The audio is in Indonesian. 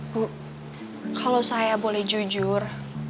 bu kalau saya boleh jujur